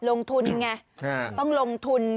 ลงทุนไงต้องลงทุน